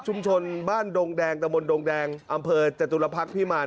ชุมชนบ้านดงแดงตะมนต์ดงแดงอำเภอจตุลพรรคพิมาร